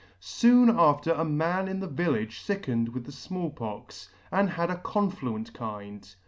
" Soon after a man in the village fickened with the Small Pox, [ 12 °] Pox, and had a confluent kind.